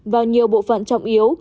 vào nhiều bộ phận trọng yếu